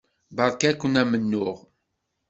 Beṛka-kent amennuɣ.